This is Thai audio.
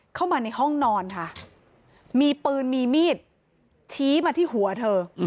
เข้ามาในห้องนอนค่ะมีปืนมีมีดชี้มาที่หัวเธอ